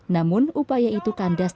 namun upaya itu kandas